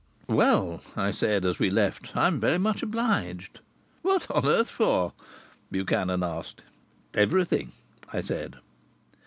"Well," I said as we left, "I'm very much obliged." "What on earth for?" Buchanan asked. "Everything," I said.